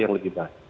yang lebih baik